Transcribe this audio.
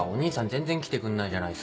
全然来てくんないじゃないっすか。